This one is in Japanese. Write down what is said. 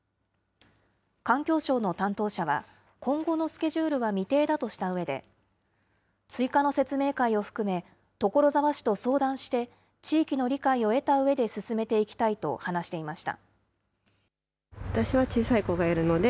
環境省の担当者は、今後のスケジュールは未定だとしたうえで、追加の説明会を含め、所沢市と相談して、地域の理解を得たうえで進めていきたいと話していました。